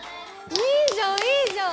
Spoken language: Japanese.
いいじゃんいいじゃん。